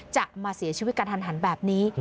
จะมาเสียชีวิตกระทันหันแบบนี้